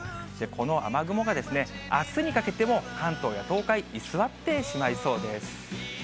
この雨雲があすにかけても関東や東海、居座ってしまいそうです。